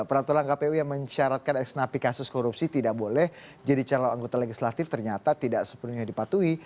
peraturan kpu yang mensyaratkan eks napi kasus korupsi tidak boleh jadi calon anggota legislatif ternyata tidak sepenuhnya dipatuhi